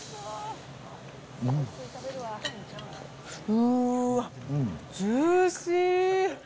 うーわ、ジューシー。